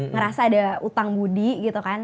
ngerasa ada utang budi gitu kan